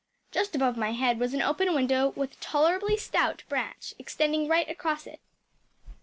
Just above my head was an open window with a tolerably stout branch extending right across it.